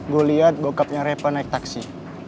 gue liat bokapnya reva naik taksi